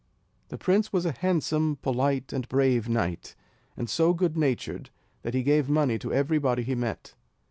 The prince was a handsome, polite, and brave knight, and so good natured that he gave money to every body he met.